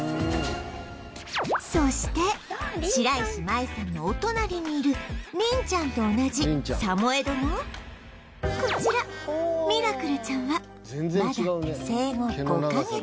そして白石麻衣さんのお隣にいる麟ちゃんと同じサモエドのこちらミラクルちゃんはまだ生後５カ月